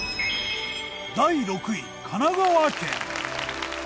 第６位神奈川県。